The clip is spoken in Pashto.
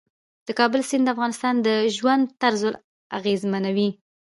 د کابل سیند د افغانانو د ژوند طرز اغېزمنوي.